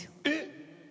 えっ！？